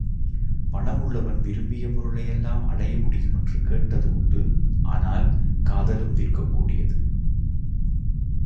பணமுள்ளவன் விரும்பிய பொருளையெல்லாம் அடைய முடியுமென்று கேட்டது உண்டு ஆனால் காதலும் விற்கக்கூடியது.